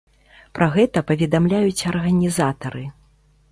Пра гэта паведамляюць арганізатары.